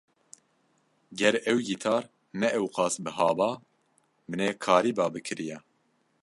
Ger ew gîtar ne ew qas buha ba, min ê karîba bikiriya.